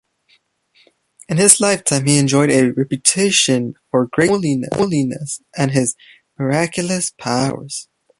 In his lifetime he enjoyed a reputation for great holiness and for miraculous powers.